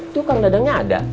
tuh kang dadangnya ada